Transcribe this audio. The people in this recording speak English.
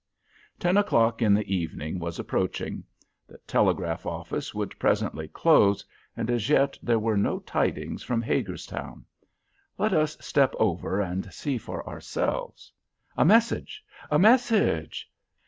Ten o'clock in the evening was approaching. The telegraph office would presently close, and as yet there were no tidings from Hagerstown. Let us step over and see for ourselves. A message! A message!